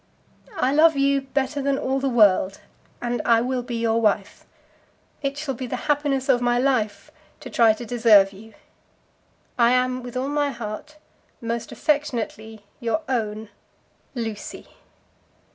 I love you better than all the world, and I will be your wife. It shall be the happiness of my life to try to deserve you. I am, with all my heart, Most affectionately your own LUCY.